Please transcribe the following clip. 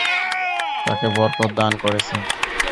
তাকে বরকত দান করেছি।